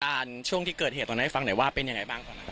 อ่านช่วงที่เกิดเหตุตรงนั้นให้ฟังไหนว่าเป็นยังไงบ้าง